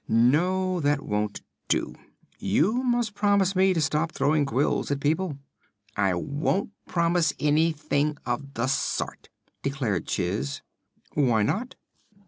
No; that won't do. You must promise me to stop throwing quills at people." "I won't promise anything of the sort," declared Chiss. "Why not?"